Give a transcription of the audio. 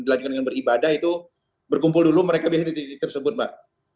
lanjutnya dengan beribadah itu berkumpul dulu mereka biasa di titik titik tersebut mbak